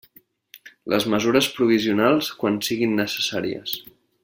Les mesures provisionals quan siguin necessàries.